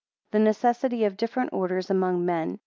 24 The necessity of different orders among men.